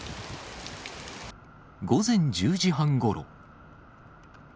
午前１０時半ごろ。